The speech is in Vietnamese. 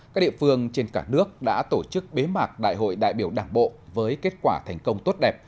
các địa phương trên cả nước đã tổ chức bế mạc đại hội đại biểu đảng bộ với kết quả thành công tốt đẹp